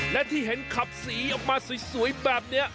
และที่เห็นขับสีออกมาสวยแบบนี้